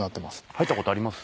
入ったことあります？